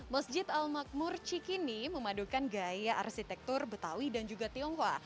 masjid al makmur cikini memadukan gaya arsitektur betawi dan juga tionghoa